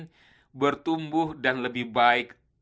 orang yang selalu ingin bertumbuh dan lebih baik